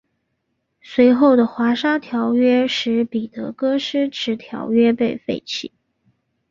随后的华沙条约使彼得戈施迟条约被废弃。